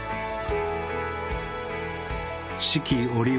四季折々。